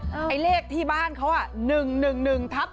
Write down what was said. ในเลขที่บ้านเขา๑๑๑ทับ๑๐๙